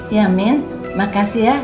iya min makasih ya